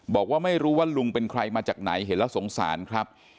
บอกว่าไม่รู้ว่าลุงเป็นใครมาจากไหนเห็นแล้วสงสารครับ